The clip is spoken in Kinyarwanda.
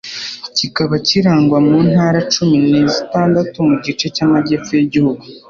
kikaba kirangwa mu ntara cumi na zitandatu mu gice cy,amajyepfo y,Igihugu.